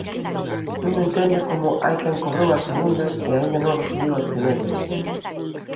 Non entende como "hai quen cobrou as segundas e aínda non recibiu as primeiras".